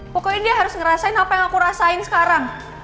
pokoknya dia harus ngerasain apa yang aku rasain sekarang